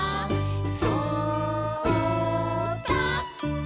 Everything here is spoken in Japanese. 「そうだ」